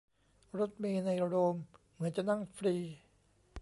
รถเมล์ในโรมเหมือนจะนั่งฟรี